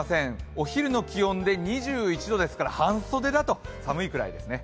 お昼の気温で２１度ですから、半袖だと寒いくらいですね。